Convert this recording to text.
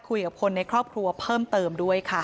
คุยกับคนในครอบครัวเพิ่มเติมด้วยค่ะ